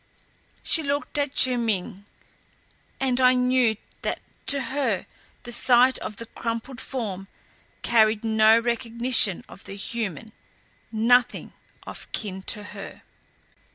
She looked at Chiu Ming and I knew that to her the sight of the crumpled form carried no recognition of the human, nothing of kin to her.